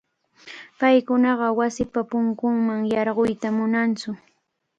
Paykunaqa wasipa punkunman yarquyta munantsu.